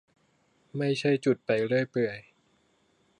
ไม่ใช่จุดไปเรื่อยเปื่อย